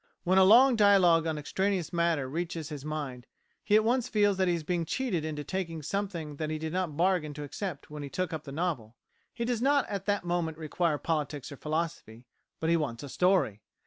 When a long dialogue on extraneous matter reaches his mind, he at once feels that he is being cheated into taking something that he did not bargain to accept when he took up the novel. He does not at that moment require politics or philosophy, but he wants a story.